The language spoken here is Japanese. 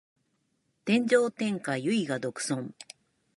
天上天下唯我独尊